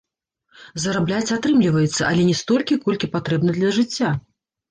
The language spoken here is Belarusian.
Зарабляць атрымліваецца, але не столькі, колькі патрэбна для жыцця.